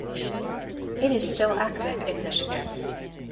It is still active in Michigan.